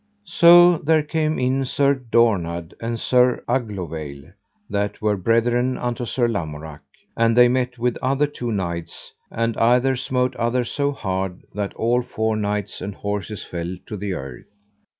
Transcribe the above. So there came in Sir Dornard and Sir Aglovale, that were brethren unto Sir Lamorak, and they met with other two knights, and either smote other so hard that all four knights and horses fell to the earth.